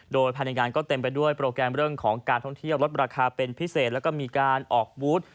โดยภายในงานก็เต็มไปด้วยโปรแกรมเรื่องของการท่องเที่ยวลดราคาเป็นพิเศษแล้วก็มีการออกบูธ